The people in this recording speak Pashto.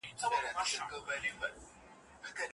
که تجربه ترسره سوې وه، ناسم قضاوت نه و سوی.